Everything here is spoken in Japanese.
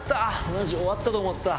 マジ終わったと思った。